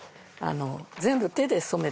全部手で染めてある。